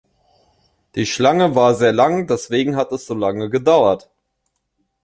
Die Schlange war sehr lang, deswegen hat es so lange gedauert.